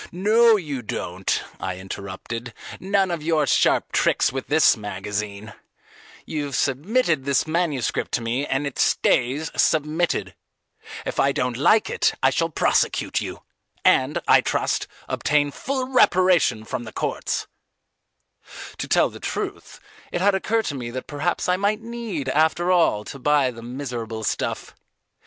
"No you don't," I interrupted; "none of your sharp tricks with this magazine. You've submitted this manuscript to me, and it stays submitted. If I don't like it, I shall prosecute you, and, I trust, obtain full reparation from the courts." [Illustration: With all the low cunning of an author stamped on his features.] To tell the truth, it had occurred to me that perhaps I might need after all to buy the miserable stuff.